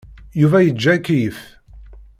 Yuba yeǧǧa akeyyef.